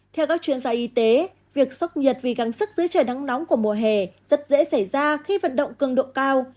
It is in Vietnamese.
theo các chuyên gia y tế việc sốc nhiệt vì găng sức dưới trời nắng nóng của mùa hè rất dễ xảy ra khi vận động cường độ cao